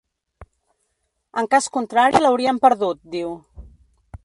En cas contrari l’hauríem perdut, diu.